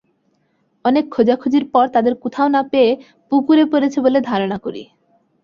অনেক খোঁজাখুঁজির পর তাদের কোথাও না পেয়ে পুকুরে পড়েছে বলে ধারণা করি।